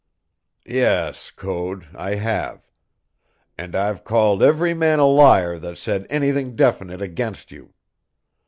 "Yes, Code, I have; and I've called every man a liar that said anything definite against you.